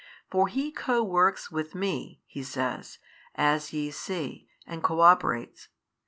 For He co works with Me (He says) as ye see, and co operates.